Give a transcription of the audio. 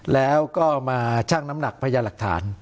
แล้วก็มาชั่งน้ำหนักพยาหลักฐาน